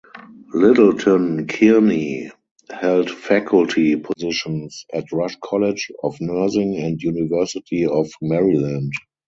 Littleton Kearney held faculty positions at Rush College of Nursing and University of Maryland.